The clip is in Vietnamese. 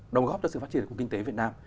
đồng góp cho sự phát triển của kinh tế việt nam